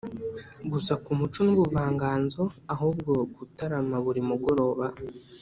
gusa ku muco n’ubuvanganzo, ahubwo gutarama buri mugoroba